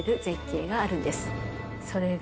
それが。